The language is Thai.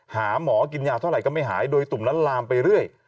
หาหมอกินยาเท่าไหร่ก็ไม่หายโดยตุ่มนั้นลามไปเรื่อย